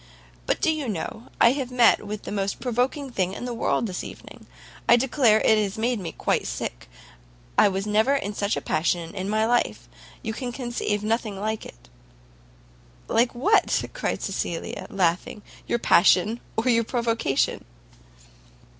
But do you know I have met with the most provoking thing in the world this evening? I declare it has made me quite sick. I was never in such a passion in my life. You can conceive nothing like it." "Like what?" cried Cecilia, laughing; "your passion, or your provocation?"